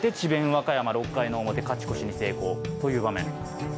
和歌山６回の表勝ち越しに成功という場面。